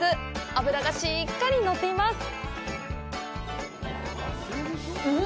脂がしっかり乗っています。